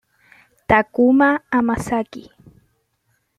Takuma Hamasaki